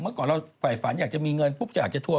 เมื่อก่อนเราฝ่ายฝันอยากจะมีเงินปุ๊บอยากจะทัว